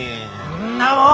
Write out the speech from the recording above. んなもん